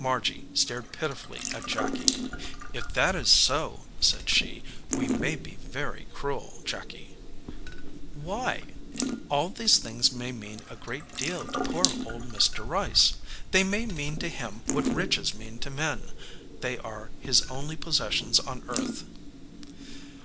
Margy stared pitifully at Jacky. "If that is so," said she, "we may be very cruel, Jacky." "Why?" "All these things may mean a great deal to poor old Mr. Rice. They may mean to him what riches mean to men. They are his only possessions on earth."